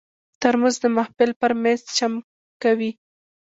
ترموز د محفل پر مېز چمک کوي.